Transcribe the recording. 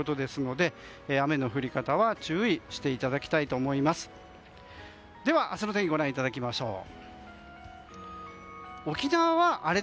では、明日の天気ご覧いただきましょう。